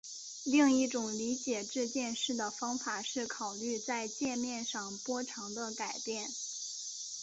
另一种理解这件事的方法是考虑在界面上波长的改变。